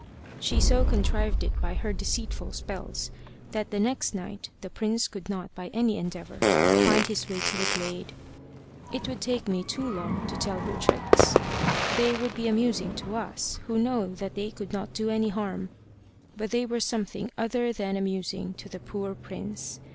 She so contrived it by her deceitful spells, that the next night the prince could not by any endeavour find his way to the glade. It would take me too long to tell her tricks. They would be amusing to us, who know that they could not do any harm, but they were something other than amusing to the poor prince.